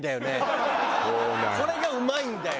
これがうまいんだよ。